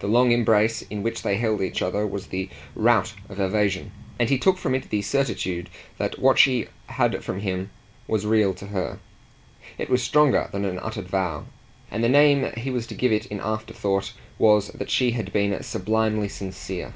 The long embrace in which they held each other was the rout of evasion, and he took from it the certitude that what she had from him was real to her. It was stronger than an uttered vow, and the name he was to give it in afterthought was that she had been sublimely sincere.